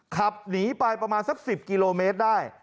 ขับหนีไปประมาณสัก๑๐กิโลเมตรได้